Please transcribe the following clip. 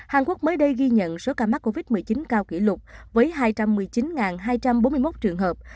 hàn quốc mới đây ghi nhận số ca mắc covid một mươi chín cao kỷ lục với hai trăm một mươi chín hai trăm bốn mươi một trường hợp